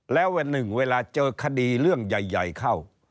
แล้ววันหนึ่งเวลาเจอคดีเรื่องใหญ่เข้า